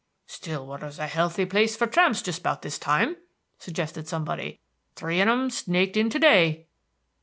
"Stillwater's a healthy place for tramps jest about this time," suggested somebody. "Three on 'em snaked in to day."